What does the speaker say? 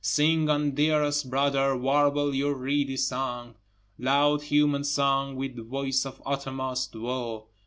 Sing on dearest brother, warble your reedy song, Loud human song, with voice of uttermost woe.